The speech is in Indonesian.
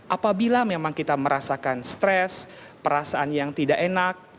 apabila memang kita merasakan stres perasaan yang tidak enak